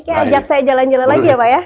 oke ajak saya jalan jalan lagi ya pak ya